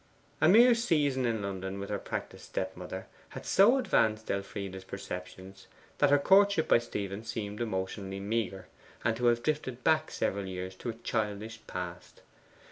A mere season in London with her practised step mother had so advanced Elfride's perceptions, that her courtship by Stephen seemed emotionally meagre, and to have drifted back several years into a childish past.